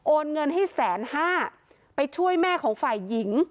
เงินให้แสนห้าไปช่วยแม่ของฝ่ายหญิง